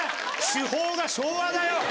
手法が昭和だよ。